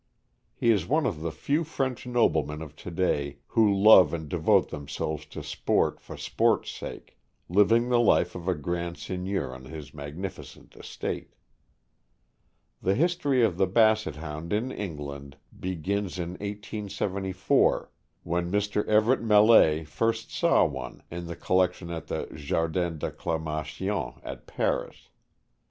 He is one of the few French noblemen of to day who love and devote themselves to sport for sport's sake, living the life of a grand seigneur on his magniricent estate. The history of the Basset Hound in England begins in 1874, when Mr. Everett Millais first saw one in the collec tion at the Jardin d' Acclimation . at Paris.